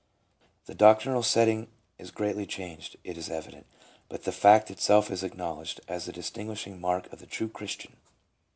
The doctrinal setting is greatly changed, it is evi dent, but the fact itself is acknowledged as the distinguish ing mark of the true Christian.